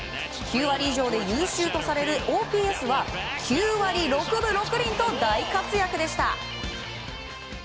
９割以上で優秀とされるＯＰＳは９割６分６厘と大活躍でした。